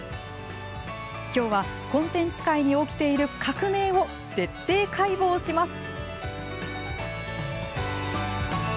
きょうは、コンテンツ界に起きている革命を徹底解剖します。